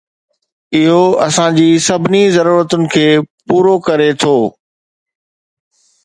اهو اسان جي سڀني ضرورتن کي پورو ڪري ٿو